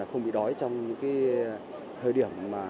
không bị đói trong những thời điểm